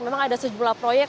memang ada sejumlah proyek